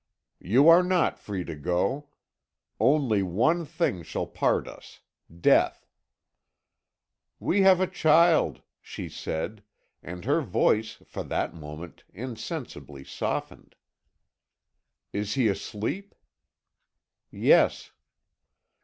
"'You are not free to go. Only one thing shall part us death!' "'We have a child,' she said, and her voice, for that moment, insensibly softened. "'Is he asleep?' "'Yes.'